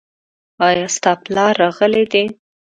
ایا ستا پلار راغلی دی ؟